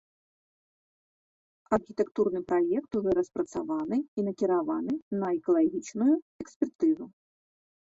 Архітэктурны праект ужо распрацаваны і накіраваны на экалагічную экспертызу.